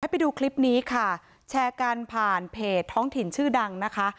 ไปดูคลิปนี้ค่ะแชร์กันผ่านเพจท้องถิ่นชื่อดังนะคะ